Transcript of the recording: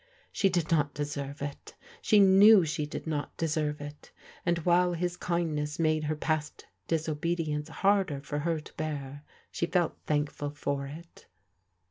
She d:d not deserve iL She knew she did not deserve it, and while his kindness made her past disobedience harder for her to bear, she felt thankful for it.